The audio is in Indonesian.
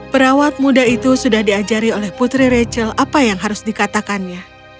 perawat muda itu sudah diajari oleh putri rachel apa yang harus dikatakannya